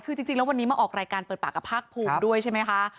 คือจริงแล้ววันนี้มาออกรายการเปิดปากกับภาคภูมิด้วยใช่ไหมคะ